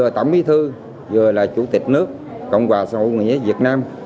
tổng bí thư vừa là chủ tịch nước cộng hòa xã hội chủ nghĩa việt nam